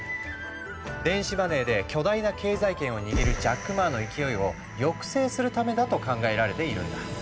電子マネーで巨大な経済圏を握るジャック・マーの勢いを抑制するためだと考えられているんだ。